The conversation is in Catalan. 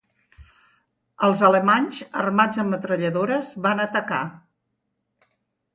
Els alemanys, armats amb metralladores, van atacar.